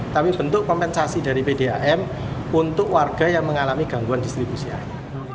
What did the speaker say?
tapi bentuk kompensasi dari pdam untuk warga yang mengalami gangguan distribusi air